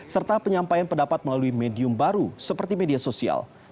serta penyampaian pendapat melalui medium baru seperti media sosial